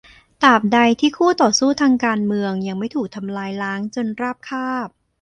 ตราบใดที่คู่ต่อสู้ทางการเมืองยังไม่ถูกทำลายล้างจนราบคาบ